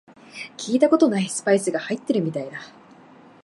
聞いたことないスパイスが入ってるみたいだ